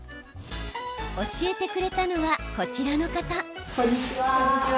教えてくれたのは、こちらの方。